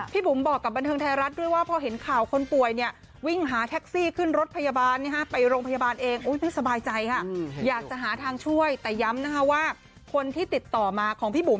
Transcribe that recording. พี่ปุ๋มบอกกับบันเทิงไทยรัฐด้วยว่า